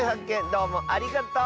どうもありがとう！